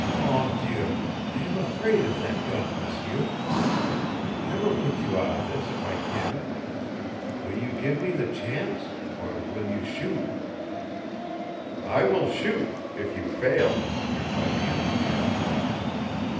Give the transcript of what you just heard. "Mon Dieu, I am afraid of that gun, M'seur. I will get you out of this if I can. Will you give me the chance or will you shoot?" "I will shoot if you fail," replied the engineer.